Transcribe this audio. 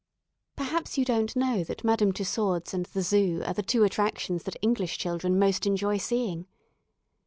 Perhaps you don't know that Madame Tussaud's and the "Zoo" are the two attractions that English children most enjoy seeing.